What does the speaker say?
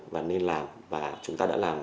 và nên làm và chúng ta đã làm